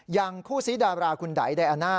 อย่างคู่ซีดาราคุณไดอาน่า